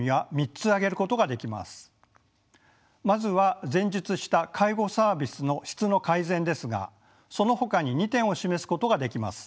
まずは前述した介護サービスの質の改善ですがそのほかに２点を示すことができます。